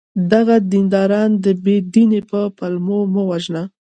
دغه دینداران د بې دینی په پلمو مه وژنه!